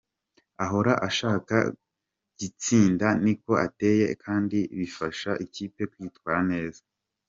Ahora ashaka gitsinda niko ateye kandi bifasha ikipe kwitwara neza.